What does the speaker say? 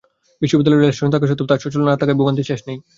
বিশ্ববিদ্যালয়ে রেলস্টেশন থাকা সত্ত্বেও তা সচল না থাকায় ভোগান্তির শেষ নেই।